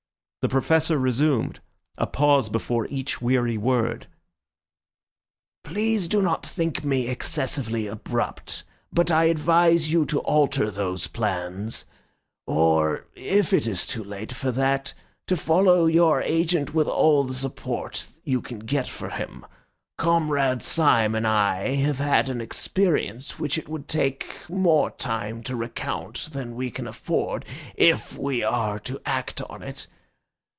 The Professor resumed, a pause before each weary word— "Please do not think me excessively abrupt; but I advise you to alter those plans, or if it is too late for that, to follow your agent with all the support you can get for him. Comrade Syme and I have had an experience which it would take more time to recount than we can afford, if we are to act on it.